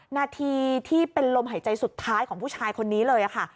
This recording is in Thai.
นาทีที่เป็นลมหายใจสุดท้ายของผู้ชายคนนี้เลยค่ะ